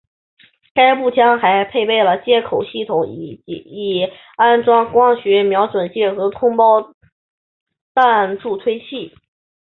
该步枪还配备了接口系统以安装光学瞄准镜和空包弹助退器。